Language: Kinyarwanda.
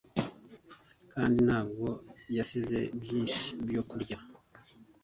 kandi ntabwo yasize byinshi byo kurya